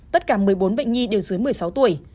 tất cả một mươi bốn bệnh nhi đều dưới một mươi sáu tuổi